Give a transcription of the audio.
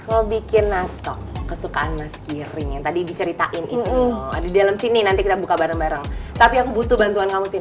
mau bikin nasto kesukaan mas giring yang tadi diceritain itu ada di dalam sini nanti kita buka bareng bareng tapi aku butuh bantuan kamu sini